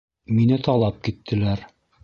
Мине талап киттеләр